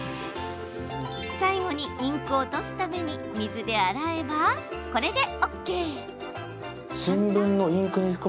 最後にインクを落とすために水で洗えばこれでＯＫ。